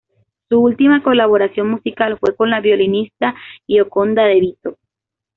Su últimas colaboración musical fue con la violinista Gioconda de Vito.